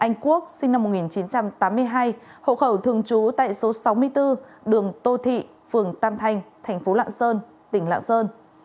hộ khẩu thường trú tại số sáu mươi bốn đường tô thị phường tam thanh thành phố lạng sơn tỉnh lạng sơn